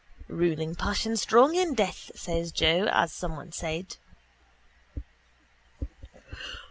—Ruling passion strong in death, says Joe, as someone said.